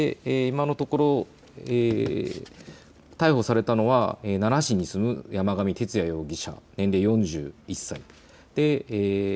今のところ逮捕されたのは奈良市に住む山上徹也容疑者年齢４１歳。